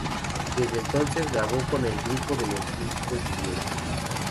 Desde entonces, grabó con el grupo los discos siguientes.